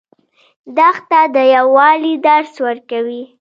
دښته د یووالي درس ورکوي.